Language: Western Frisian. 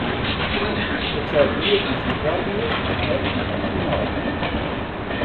It seit neat yn syn foardiel en ek net yn syn neidiel.